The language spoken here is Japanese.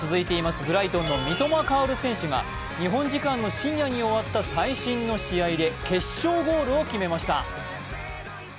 ブライトンの三笘薫選手が日本時間の深夜に終わった最新の試合で決勝ゴールを決めました。